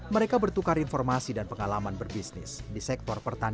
mereka bertukar informasi dan pengalaman berbisnis di sektor pertanian